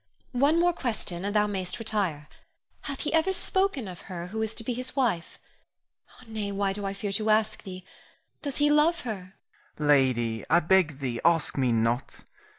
One more question and thou mayst retire. Hath he ever spoken of her who is to be his wife? Nay, why do I fear to ask thee? Does he love her? Rienzi. Lady, I beg thee ask me not.